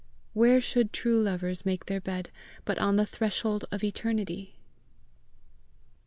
Where should true lovers make their bed but on the threshold of eternity!